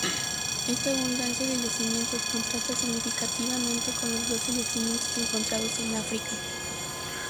Esta abundancia de yacimientos contrasta significativamente con los doce yacimientos encontrados en África.